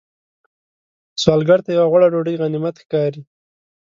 سوالګر ته یو غوړه ډوډۍ غنیمت ښکاري